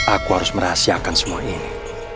aku harus merahasiakan semua ini